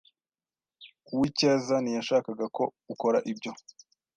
Uwicyeza ntiyashakaga ko ukora ibyo.